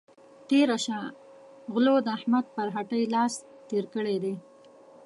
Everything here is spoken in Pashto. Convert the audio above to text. تېره شه غلو د احمد پر هټۍ لاس تېر کړی دی.